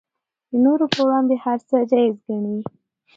نورو پر وړاندې هر څه جایز ګڼي